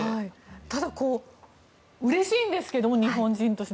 ただ、うれしいんですけど日本人として。